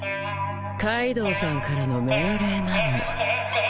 カイドウさんからの命令なの。